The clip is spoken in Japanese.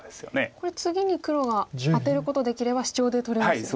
これ次に黒がアテることできればシチョウで取れますよね。